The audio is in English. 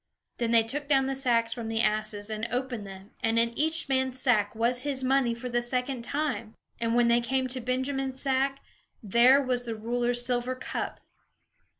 Then they took down the sacks from the asses, and opened them; and in each man's sack was his money, for the second time. And when they came to Benjamin's sack, there was the ruler's silver cup!